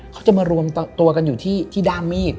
เขาจะมารวมตัวกันอยู่ที่ด้ามมีด